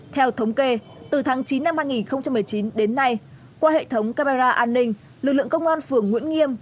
theo thống kê từ tháng chín năm hai nghìn một mươi chín đến nay qua hệ thống camera an ninh lực lượng công an phường nguyễn nghiêm